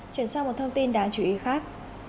còn thông tin đáng chú ý khác